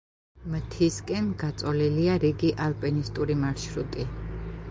მთისკენ გაწოლილია რიგი ალპინისტური მარშრუტი.